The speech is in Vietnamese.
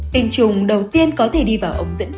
tinh trùng đầu tiên có thể đi vào ống dẫn chứng